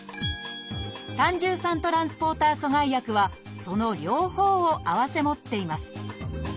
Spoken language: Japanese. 「胆汁酸トランスポーター阻害薬」はその両方を併せ持っています